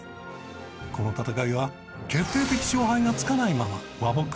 この戦いは決定的勝敗がつかないまま和睦。